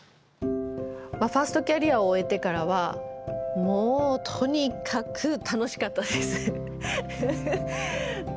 ファーストキャリアを終えてからはもうとにかく楽しかったです。